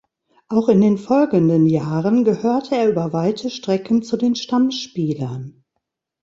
Auch in den folgenden Jahren gehörte er über weite Strecken zu den Stammspielern.